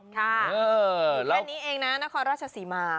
ค่ะอยู่แบบนี้เองนะนครราชสีมาร์